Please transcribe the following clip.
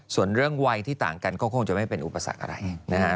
ส่วนเรื่องวัยที่ต่างกันก็คงจะไม่เป็นอุปสรรคอะไรนะฮะ